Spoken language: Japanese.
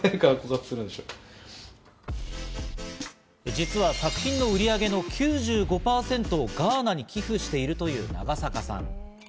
実は作品の売り上げの９５％をガーナに寄付しているという長坂さん。